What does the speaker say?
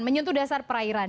menyentuh dasar perairan